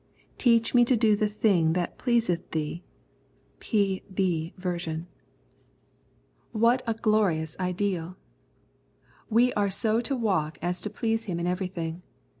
" Teach me to do the thing that pleaseth Thee '' (P. B. version). What a 64 Knowledge and Obedience glorious ideal ! We are so to walk as to please Him in everything.